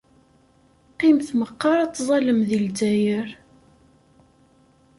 Qqimet meqqar ad teẓẓallem deg Lezzayer.